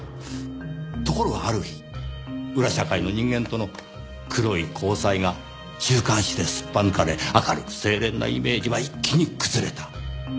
ところがある日裏社会の人間との黒い交際が週刊誌ですっぱ抜かれ明るく清廉なイメージは一気に崩れた。